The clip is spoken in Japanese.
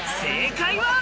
正解は。